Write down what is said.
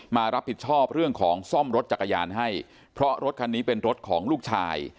มารับผิดชอบเรื่องของซ่อมรถจักรยานให้เพราะรถคันนี้เป็นรถของลูกชาย